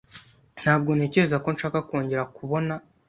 Ntabwo ntekereza ko nshaka kongera kubona